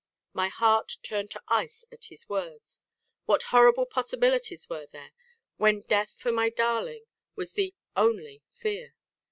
My heart turned to ice at his words. What horrible possibilities were there, when death for my darling was the "only" fear.